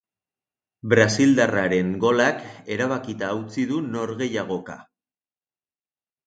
Brasildarraren golak erabakita utzi du norgehiagoka.